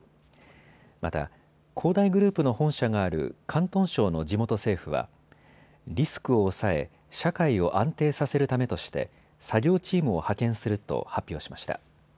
また、恒大グループの本社がある広東省の地元政府はリスクを抑え社会を安定させるためとして作業チームを派遣すると発表しました。